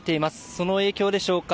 その影響でしょうか